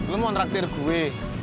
lu mau ngeraktir gue